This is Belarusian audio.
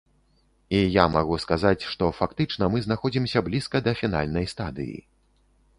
І я магу сказаць, што фактычна мы знаходзімся блізка да фінальнай стадыі.